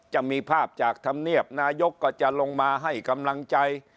จะมีภาพจากธรรมเนียบนายกก็จะลงมาให้กำลังใจ